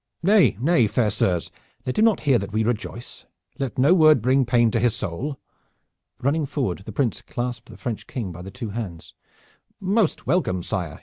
"Nay, nay, fair sirs, let him not hear that we rejoice! Let no word bring pain to his soul!" Running forward the Prince clasped the French King by the two hands. "Most welcome, sire!"